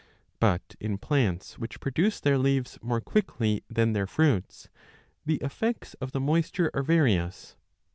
But in plants which produce their leaves more quickly than their fruits, the effects of the moisture are various.